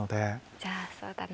じゃあそうだな。